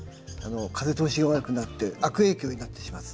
風通しが悪くなって悪影響になってしまいます。